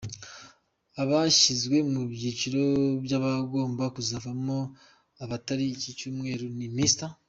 Abashyizwe mu cyiciro cy’abagomba kuzavamo abataha iki Cyumweru ni: Mr.